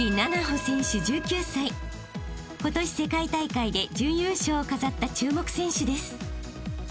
［今年世界大会で準優勝を飾った注目選手です］